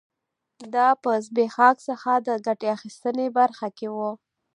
دا په زبېښاک څخه د ګټې اخیستنې برخه کې و